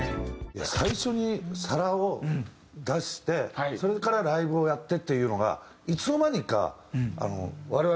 最初に皿を出してそれからライブをやってっていうのがいつの間にか。